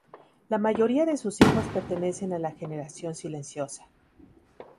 La mayoría de sus hijos pertenecen a la Generación Silenciosa.